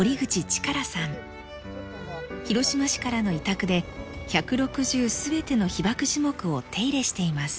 広島市からの委託で１６０全ての被爆樹木を手入れしています。